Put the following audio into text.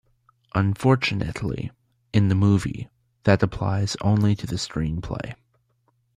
Unfortunately, in the movie, that applies only to the screenplay.